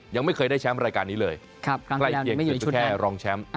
ยังไม่เคยได้แชมป์รายการนี้เลยใกล้เคียงเพียงแค่รองแชมป์